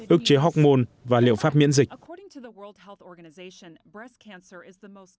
ức chế hormôn và liệu pháp hóa trị